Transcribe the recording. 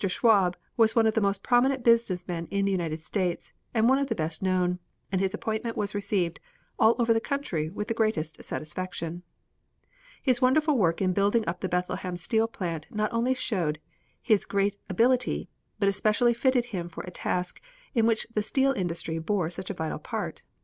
Schwab was one of the most prominent business men in the United States and one of the best known, and his appointment was received all over the country with the greatest satisfaction. His wonderful work in building up the Bethlehem steel plant not only showed his great ability, but especially fitted him for a task in which the steel industry bore such a vital part.